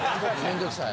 面倒くさい？